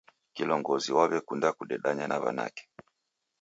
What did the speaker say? Kilongozi waw'ekunda kudedanya na w'anake.